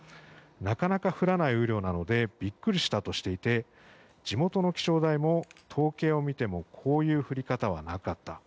なかなか降らない雨量なのでビックリしたとしていて地元の気象台も、統計を見てもこういう降り方はなかった。